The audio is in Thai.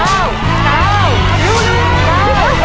สวัสดีครับ